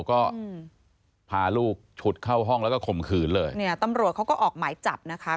ก็พาลูกฉุดเข้าห้องแล้วก็ข่มขืนเลยเนี่ยตำรวจเขาก็ออกหมายจับนะคะ